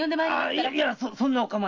あっいやそんなお構いは。